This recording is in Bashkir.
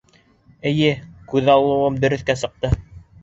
Эйе, күҙаллауым дөрөҫкә сыҡты.